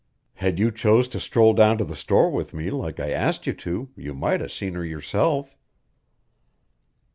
"Had you chose to stroll down to the store with me like I asked you to, you might 'a' seen her yourself."